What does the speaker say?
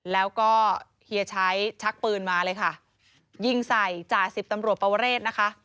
แล้วก็เฮียชัยชักปืนมาเลยค่ะยิงใส่จ่าสิบตำรวจปวเรศนะคะ